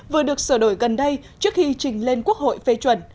vừa được sửa đổi gần đây trước khi trình lên quốc hội phê chuẩn